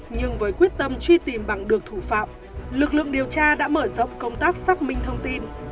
nhưng với quyết tâm truy tìm bằng được thủ phạm lực lượng điều tra đã mở rộng công tác xác minh thông tin